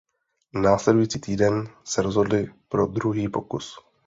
Následující týden se rozhodli pro druhý pokus.